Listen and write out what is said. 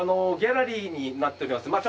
ギャラリーになっております。